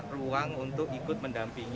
ruang untuk ikut mendampingi